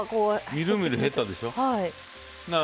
みるみる減ったでしょ。